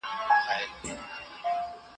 که وخت وي، امادګي نيسم.